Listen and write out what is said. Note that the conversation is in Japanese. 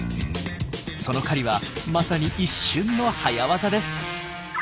その狩りはまさに一瞬の早業です。